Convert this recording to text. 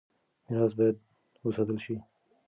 ميراث بايد وساتل شي.